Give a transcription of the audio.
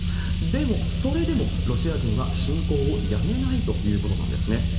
でも、それでもロシア軍は侵攻をやめないということなんですね。